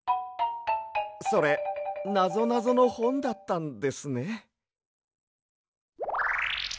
それなぞなぞのほんだったんですね。